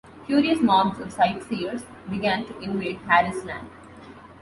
Curious mobs of sightseers began to invade Harris' land.